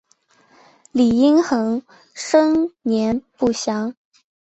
李殷衡生年不详。